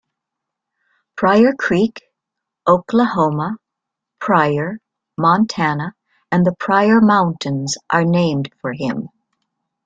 Pryor Creek, Oklahoma, Pryor, Montana, and the Pryor Mountains are named for him.